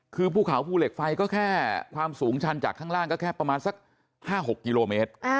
คือภูเขาภูเหล็กไฟก็แค่ความสูงชันจากข้างล่างก็แค่ประมาณสัก๕๖กิโลเมตร